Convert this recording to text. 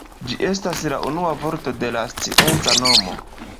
Ĝi estas la unua vorto de la scienca nomo.